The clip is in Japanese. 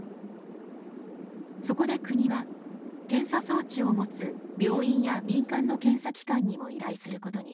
そこで国は検査装置を持つ病院や民間の検査機関にも依頼することに。